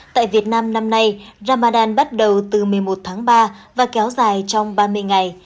tại việt nam năm nay ramadan bắt đầu từ một mươi một tháng ba và kéo dài trong ba mươi ngày